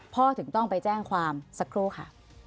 ถึงต้องไปแจ้งความสักครู่ค่ะ